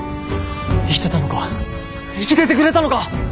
生きてたのか生きててくれたのか！